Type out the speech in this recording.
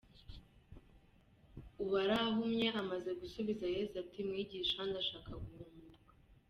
Uwari ahumye amaze gusubiza Yesu ati "Mwigisha, ndashaka guhumuka.